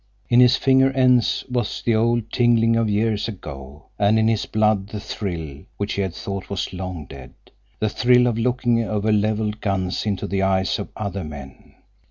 In his finger ends was the old tingling of years ago, and in his blood the thrill which he had thought was long dead—the thrill of looking over leveled guns into the eyes of other men.